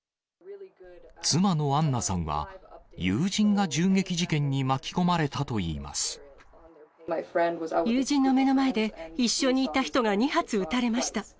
妻のアンナさんは、友人が銃撃事友人の目の前で、一緒にいた人が２発撃たれました。